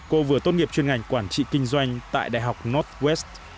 cô vừa tốt nghiệp chuyên ngành quản trị kinh doanh tại đại học northwest